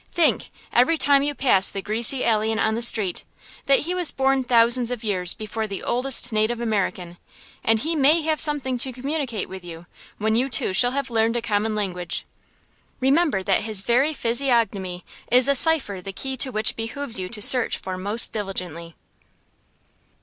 Think, every time you pass the greasy alien on the street, that he was born thousands of years before the oldest native American; and he may have something to communicate to you, when you two shall have learned a common language. Remember that his very physiognomy is a cipher the key to which it behooves you to search for most diligently.